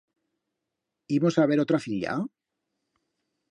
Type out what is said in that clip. Imos a haber otra filla?